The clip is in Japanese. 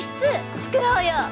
作ろうよ！